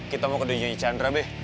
kita mau kedujunya chandra be